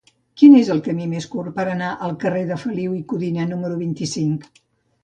Quin és el camí més curt per anar al carrer de Feliu i Codina número vint-i-cinc?